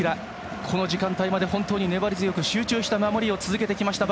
この時間帯まで本当に粘り強く集中した守りを続けてきました